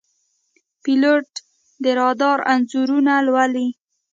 پیلوټ د رادار انځورونه لولي.